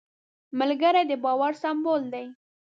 ملګری د باور سمبول دی